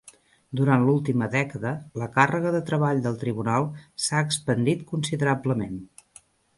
Durant l'última dècada, la càrrega de treball del Tribunal s'ha expandit considerablement.